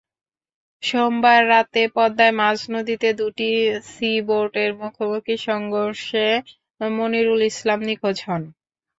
সোমবার রাতে পদ্মায় মাঝনদীতে দুটি সিবোটের মুখোমুখি সংঘর্ষে মনিরুল ইসলাম নিখোঁজ হন।